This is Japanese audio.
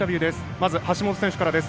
まず橋本選手からです。